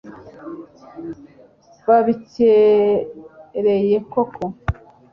babikereye koko